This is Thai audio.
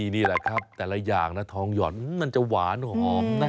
นี่แหละครับแต่ละอย่างนะทองหย่อนมันจะหวานหอมนะ